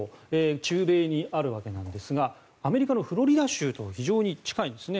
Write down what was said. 中米にあるわけなんですがアメリカのフロリダ州と非常に近いんですね。